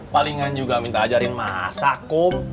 palingan juga minta ajarin masa kum